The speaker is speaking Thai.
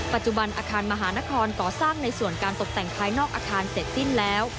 ปัจจุบันอาคารมหานครก่อสร้างในส่วนการตกแต่งภายนอกอาคารเสร็จสิ้นแล้ว